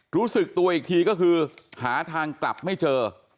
รู้สึกตัวอีกทีก็คือหาทางกลับไม่เจอ